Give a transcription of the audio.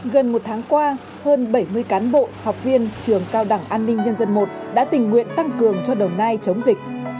gần một tháng qua hơn bảy mươi cán bộ học viên trường cao đẳng an ninh nhân dân i đã tình nguyện tăng cường cho đồng nai chống dịch